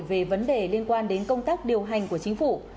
về vấn đề liên quan đến công tác điều hành của chính phủ